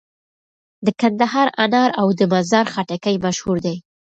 د کندهار انار او د مزار خټکي مشهور دي.